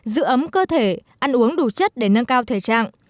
giữ ấm cơ thể ăn uống đủ chất để nâng cao thể trạng